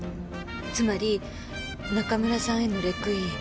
つまり中村さんへのレクイエム。